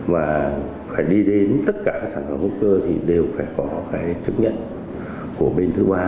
và phải đi đến tất cả các sản phẩm hữu cơ thì đều phải có cái chấp nhận của bên thứ ba